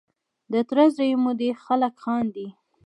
د تره زوی مو دی خلک خاندي.